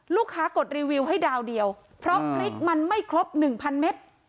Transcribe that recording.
ลูกค้ากดรีวิวให้ดาวเดียวเพราะพริกมันไม่ครบหนึ่งพันเม็ด